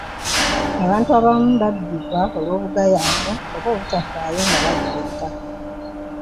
Abantu abamu babbibwa olw'obugayaavu oba obutafaayo nga bagula ettaka.